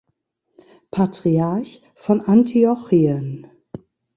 Patriarch von Antiochien.